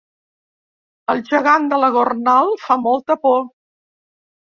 El gegant de la Gornal fa molta por